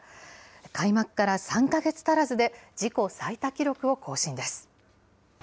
開幕から３か月足らずで自己最多記録を更新です。